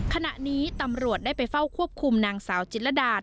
ขณะนี้ตำรวจได้ไปเฝ้าควบคุมนางสาวจิตรดาต